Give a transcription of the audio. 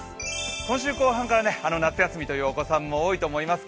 今週後半から夏休みというお子さんも多いと思います。